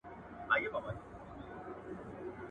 • خوار په خپله خواري نه شرمېږي.